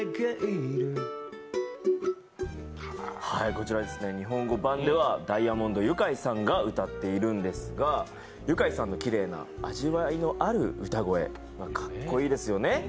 こちら、日本語版ではダイアモンド☆ユカイさんが歌っているんですがユカイさんのきれいな味わいのある歌声かっこいいですよね。